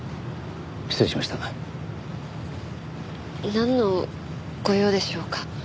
なんのご用でしょうか？